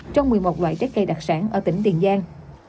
trong một mươi một loại trái cây đặc sản ở tỉnh tiền giang